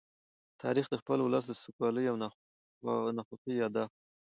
تاریخ د خپل ولس د سوکالۍ او ناخوښۍ يادښت دی.